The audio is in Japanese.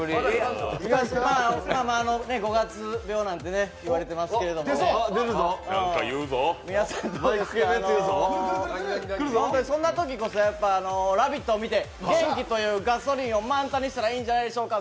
５月病なんて言われていますけれども皆さんどうですか、本当にそんなときこそ「ラヴィット！」を見て元気というガソリンを満タンにしたらいいんじゃないでしょうか。